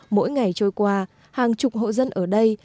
mỗi ngày trôi qua hàng chục hộ dân ở đây